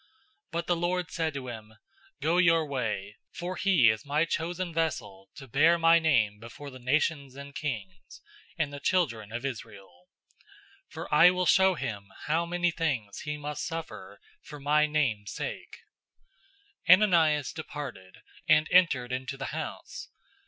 009:015 But the Lord said to him, "Go your way, for he is my chosen vessel to bear my name before the nations and kings, and the children of Israel. 009:016 For I will show him how many things he must suffer for my name's sake." 009:017 Ananias departed, and entered into the house.